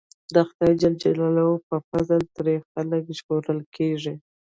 د خدای ج په فضل ترې خلک ژغورل کېږي.